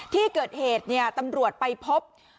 ที่เกิดเหตุตำรวจไปพบ